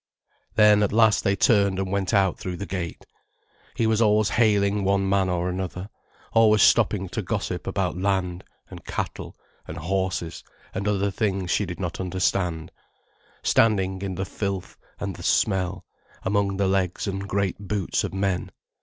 Then at last they turned and went out through the gate. He was always hailing one man or another, always stopping to gossip about land and cattle and horses and other things she did not understand, standing in the filth and the smell, among the legs and great boots of men.